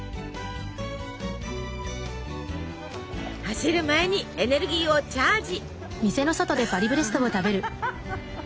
走る前にエネルギーをチャージ！